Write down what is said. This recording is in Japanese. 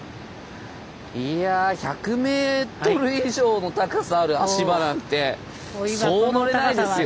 いや１００ｍ以上の高さある足場なんてそう乗れないですよ。